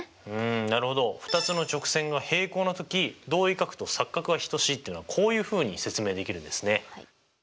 なるほど２つの直線が平行な時同位角と錯角は等しいっていうのはこういうふうに説明できるんですね。